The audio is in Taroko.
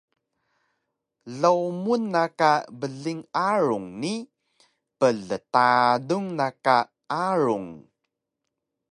Lowmun na ka bling arung ni pltadun na ka arung